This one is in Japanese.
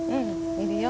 いるよ。